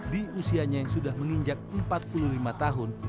di usianya yang sudah menginjak empat puluh lima tahun